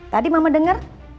tadi mama dengar